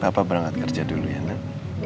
papa berangkat kerja dulu ya nek